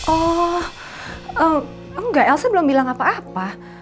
oh enggak elsa belum bilang apa apa